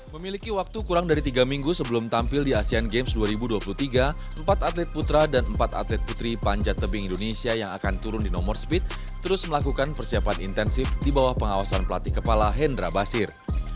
memiliki waktu kurang dari tiga minggu sebelum tampil di asean games dua ribu dua puluh tiga empat atlet putra dan empat atlet putri panjat tebing indonesia yang akan turun di nomor speed terus melakukan persiapan intensif di bawah pengawasan pelatih kepala hendra basir